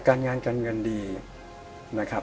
การงานการเงินดีนะครับ